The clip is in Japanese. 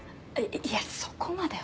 いやそこまでは。